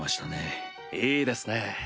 いいですね。